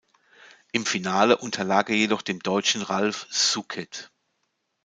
Im Finale unterlag er jedoch dem Deutschen Ralf Souquet.